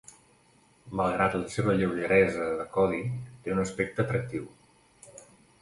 Malgrat la seva lleugeresa de codi, té un aspecte atractiu.